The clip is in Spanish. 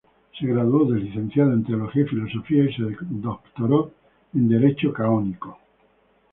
Se graduó de licenciado en teología y filosofía, y se doctoró en derecho canónico.